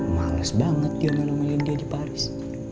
males banget dia malam malam dia di paris